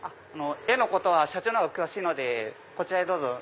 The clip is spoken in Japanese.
絵のことは社長の方が詳しいのでこちらへどうぞ。